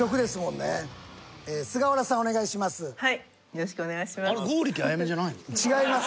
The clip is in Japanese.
よろしくお願いします。